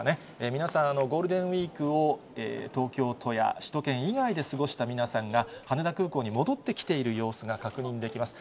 皆さん、ゴールデンウィークを東京都や首都圏以外で過ごした皆さんが、羽田空港に戻ってきている様子が確認できます。